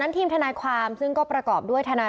พูดเหมือนเดิมคือพูดอะไร